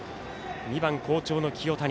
２番、好調の清谷。